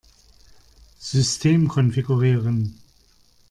System konfigurieren.